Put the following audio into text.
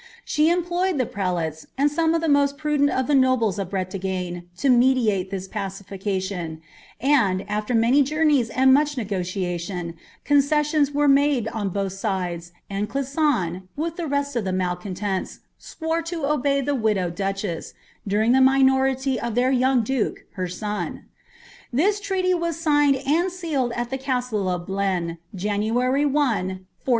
^ She employed the pre lates, and some of the most prudent of the nobles of Bretagne, to medi ate Uiis pacification ; and, after many journeys and much negotiation, concessions were made on both sides, and Clisson, with the rest of the malcontents, swore to obey, the widowed duchess, during the minority of their young duke, her son. This treaty was signed and sealed at the castle of Blein, January 1, 1400.